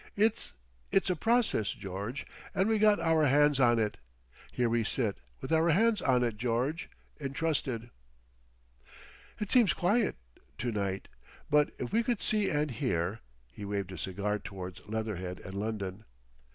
It's, it's a Process, George. And we got our hands on it. Here we sit—with our hands on it, George. Entrusted. "It seems quiet to—night. But if we could see and hear." He waved his cigar towards Leatherhead and London.